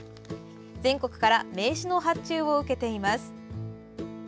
全国から名刺の発注を受けています。